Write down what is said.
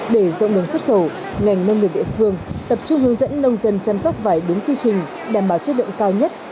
để rộng đường xuất khẩu ngành nông nghiệp địa phương tập trung hướng dẫn nông dân chăm sóc vải đúng quy trình đảm bảo chất lượng cao nhất